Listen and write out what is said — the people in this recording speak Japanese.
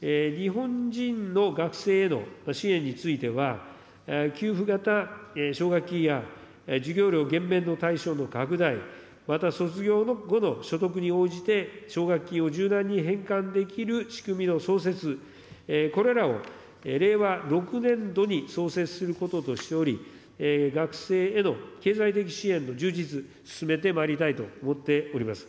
日本人の学生への支援については、給付型奨学金や、授業料減免の対象の拡大、また卒業後の所得に応じて、奨学金を柔軟に変換できる仕組みの創設、これらを令和６年度に創設することとしており、学生への経済的支援の充実、進めてまいりたいと思っております。